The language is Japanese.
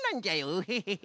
ウヘヘヘ。